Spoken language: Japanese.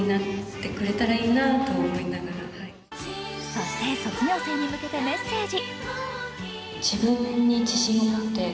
そして卒業生に向けてメッセージ。